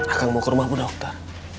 akang mau ke rumah mu dokter